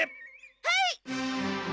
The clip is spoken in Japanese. はい！